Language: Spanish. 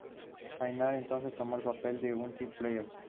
Aybar entonces tomó el papel de utility player.